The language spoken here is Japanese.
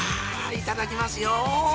いただきますよ！